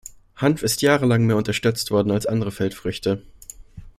Hanf ist jahrelang mehr unterstützt worden als andere Feldfrüchte.